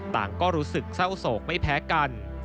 ก็รู้สึกเศร้าโศกไม่แพ้กัน